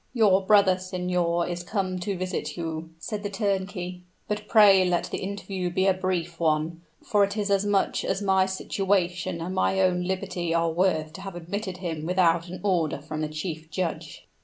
"Your brother, signor, is come to visit you," said the turnkey. "But pray let the interview be a brief one for it is as much as my situation and my own liberty are worth to have admitted him without an order from the chief judge."